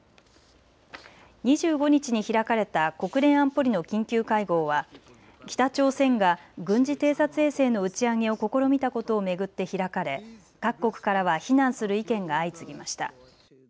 ２５日に開かれた国連安保理の緊急会合は北朝鮮が軍事偵察衛星の打ち上げを試みたことを巡って開かれ各国からは非難する意見が相次ぎました。